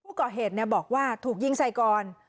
ผู้ก่อเหตุบอกว่าถูกยิงสะกอน